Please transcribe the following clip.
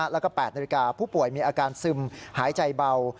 แล้วก็๘นาฬิกาผู้ป่วยมีอาการซึมหายใจเบา